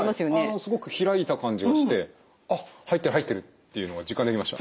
あのすごく開いた感じがしてあっ入ってる入ってるっていうのが実感できました。